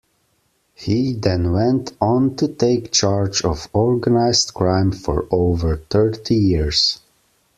He then went on to take charge of organised crime for over thirty years.